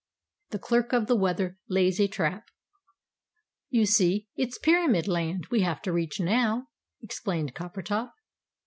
THE CLERK OF THE WEATHER LAYS A TRAP "You see, it's Pyramid Land we have to reach now," explained Coppertop.